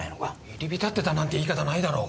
入り浸ってたなんて言い方ないだろ！